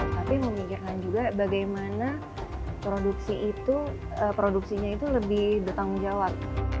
tapi memikirkan juga bagaimana produksinya itu lebih bertanggung jawab